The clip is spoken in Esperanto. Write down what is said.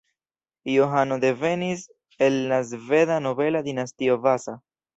Johano devenis el la sveda nobela dinastio Vasa.